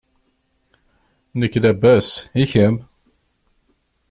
Nekk labas, i kemm?